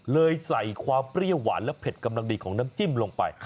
ใส่ความเปรี้ยวหวานและเผ็ดกำลังดีของน้ำจิ้มลงไป